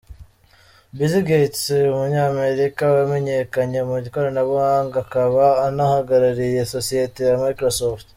Bill Gates umunyamerika wamenyekanye mu ikoranabuhanga, akaba anahagarariye sosiyeti ya Microsoft.